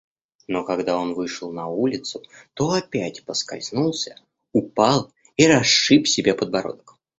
Но когда он вышел на улицу, то опять поскользнулся, упал и расшиб себе подбородок.